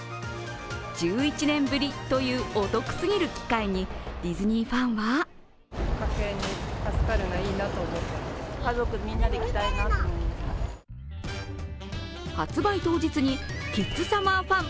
１１年ぶりというお得すぎる機会にディズニーファンは発売当日にキッズサマーファン！